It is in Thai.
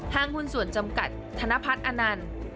หุ้นส่วนจำกัดธนพัฒน์อนันต์